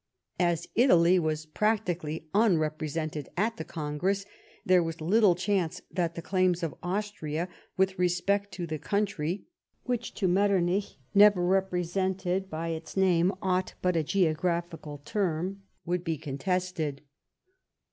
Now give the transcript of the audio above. As Italy was practically unrepresented at the Congress, there was little chance that the claims of Austria, with respect to the country which to Metternich never repre sented by its name aught but " a geographical term," would be contested.